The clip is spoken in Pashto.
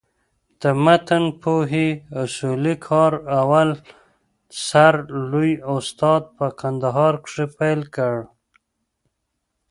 د متنپوهني اصولي کار اول سر لوى استاد په کندهار کښي پېل کړ.